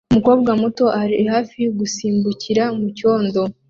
Umukobwa muto ari hafi gusimbukira mucyondo